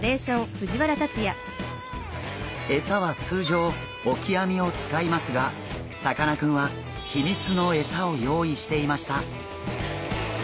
エサはつうじょうオキアミをつかいますがさかなクンは秘密のエサをよういしていました。